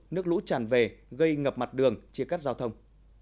nước lũ tràn về gây ngập mặt đường chia cắt giao thông